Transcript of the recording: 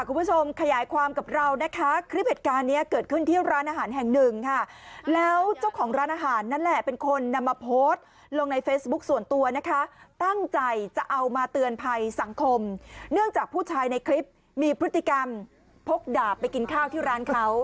คุณผู้ชมขยายความกับเรานะคะคลิปเหตุการณ์เนี้ยเกิดขึ้นที่ร้านอาหารแห่งหนึ่งค่ะแล้วเจ้าของร้านอาหารนั่นแหละเป็นคนนำมาโพสต์ลงในเฟซบุ๊คส่วนตัวนะคะตั้งใจจะเอามาเตือนภัยสังคมเนื่องจากผู้ชายในคลิปมีพฤติกรรมพกดาบไปกินข้าวที่ร้านเขา